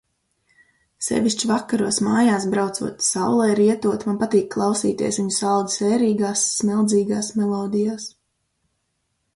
Sevišķi vakaros mājās braucot, saulei rietot man patīk klausīties viņu saldi sērīgās, smeldzīgās melodijās.